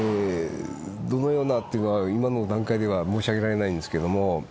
どのようなというのは今の段階では申し上げられないんですけれども。